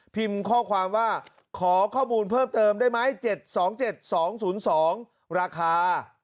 ข้อความว่าขอข้อมูลเพิ่มเติมได้ไหม๗๒๗๒๐๒ราคา